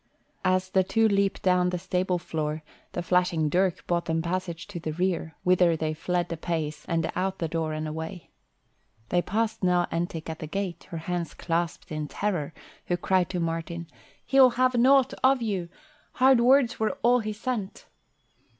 As the two leaped down on the stable floor, the flashing dirk bought them passage to the rear, whither they fled apace, and out the door and away. They passed Nell Entick at the gate, her hands clasped in terror, who cried to Martin, "He'll have nought of you. Hard words were all he sent."